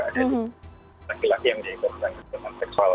ada juga laki laki yang jadi kekerasan kekerasan seksual